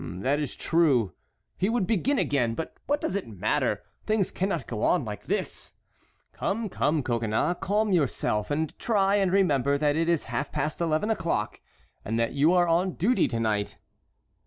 "That is true, he would begin again. But what does it matter? Things cannot go on like this." "Come, come, Coconnas, calm yourself and try and remember that it is half past eleven o'clock and that you are on duty to night."